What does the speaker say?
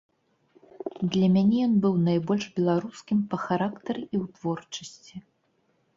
Для мяне ён быў найбольш беларускім па характары і ў творчасці.